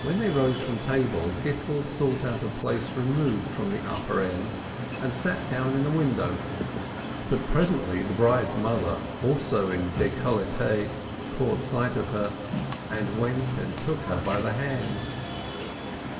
When they rose from table, Gittel sought out a place removed from the "upper end," and sat down in a window, but presently the bride's mother, also in decol lete, caught sight of her, and went and took her by the hand.